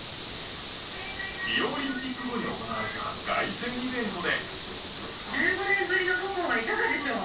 リオオリンピック後に行われた凱旋イベントで。